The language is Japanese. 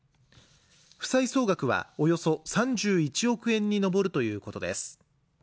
負債総額は、およそ３１億円に上るということです。